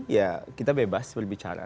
ya kita bebas berbicara